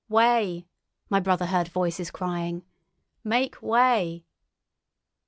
"Way!" my brother heard voices crying. "Make way!"